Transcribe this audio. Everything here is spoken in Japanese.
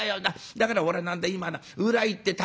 だから俺は何だ今な裏行って竹」。